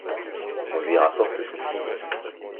On lui rapporte son fils.